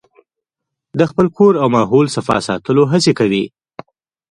د خپل کور او ماحول صفا ساتلو هڅې کوي.